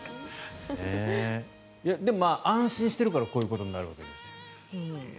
でも、安心してるからこういうことになるわけです。